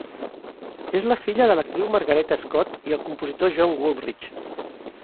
És la filla de l'actriu Margaretta Scott i el compositor John Wooldridge.